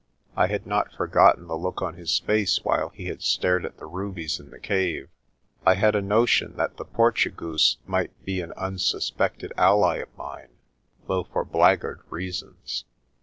I had not forgotten the look on his face while he had stared at the rubies in the cave. I had a notion that the Portugoose might be an unsuspected ally of mine, though for blackguard reasons.